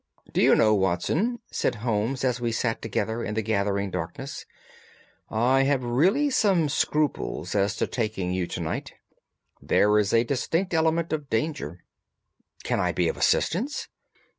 "Do you know, Watson," said Holmes as we sat together in the gathering darkness, "I have really some scruples as to taking you to night. There is a distinct element of danger." "Can I be of assistance?"